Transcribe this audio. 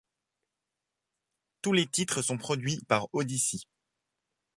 Tous les titres sont produits par Oddisee.